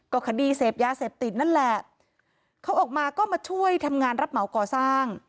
ก็คดีเสพยาเสพติดนั่นแหละเขาออกมาก็มาช่วยทำงานรับเหมาก่อสร้าง